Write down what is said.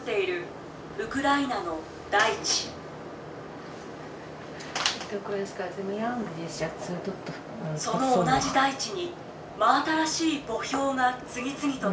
「その同じ大地に真新しい墓標が次々と建てられています。